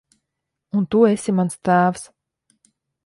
Un tu esi mans tēvs.